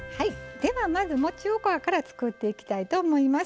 では、まず、もちおこわから作っていきたいと思います。